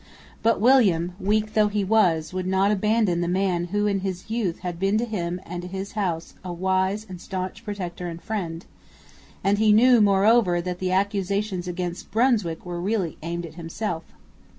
But William, weak though he was, would not abandon the man who in his youth had been to him and to his house a wise and staunch protector and friend; and he knew, moreover, that the accusations against Brunswick were really aimed at himself.